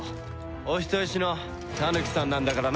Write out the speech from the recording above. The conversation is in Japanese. お人よしのタヌキさんなんだからな。